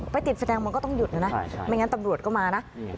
ไปติดแสดงมันก็ต้องหยุดนะนะไม่งั้นตำรวจก็มานะ